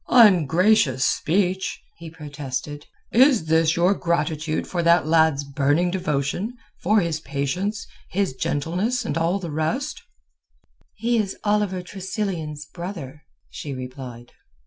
"Ungracious speech!" he protested. "Is this your gratitude for that lad's burning devotion, for his patience, his gentleness, and all the rest!" "He is Oliver Tressilian's brother," she replied.